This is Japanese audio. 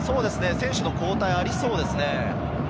選手の交代がありそうですね。